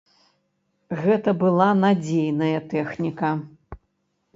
Гэта была надзейная тэхніка.